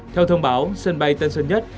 theo thông báo sân bay tân sơn nhất